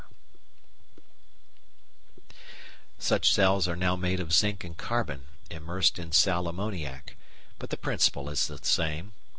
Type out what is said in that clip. ] Such cells are now made of zinc and carbon, immersed in sal ammoniac, but the principle is the same.